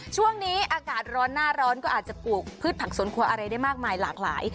ช่วงนี้อากาศร้อนหน้าร้อนก็อาจจะปลูกพืชผักสวนครัวอะไรได้มากมายหลากหลาย